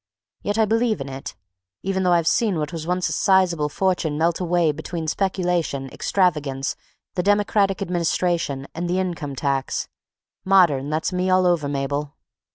—yet I believe in it, even though I've seen what was once a sizable fortune melt away between speculation, extravagance, the democratic administration, and the income tax—modern, that's me all over, Mabel.